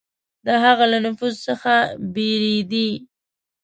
د هغه له نفوذ څخه بېرېدی.